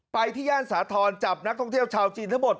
ที่ย่านสาธรณ์จับนักท่องเที่ยวชาวจีนทั้งหมด